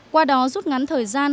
qua đó rút ngắn thời gian